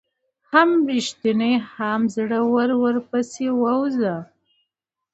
هم ريښتونى هم زړه ور ورپسي ووزه